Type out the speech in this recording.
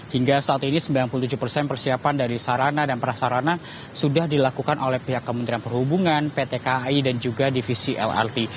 hingga saat ini sembilan puluh tujuh persen persiapan dari sarana dan prasarana sudah dilakukan oleh pihak kementerian perhubungan pt kai dan juga divisi lrt